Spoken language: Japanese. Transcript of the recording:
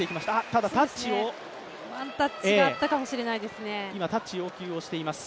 ただ、タッチをワンタッチがあったかもしれません。